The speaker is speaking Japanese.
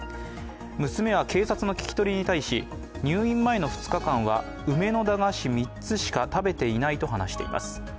娘は警察の聞き取りに対し、入院前の２日間は梅の駄菓子３つしか食べていないと話しています。